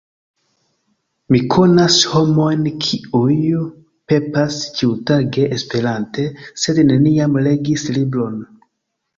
Mi konas homojn, kiuj pepas ĉiutage esperante sed neniam legis libron.